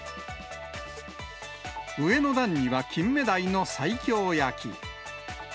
上の段にはキンメダイの西京焼き。